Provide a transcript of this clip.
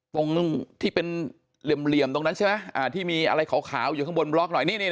ตรงที่เป็นเหลี่ยมตรงนั้นใช่ไหมที่มีอะไรขาวอยู่ข้างบนบล็อกหน่อย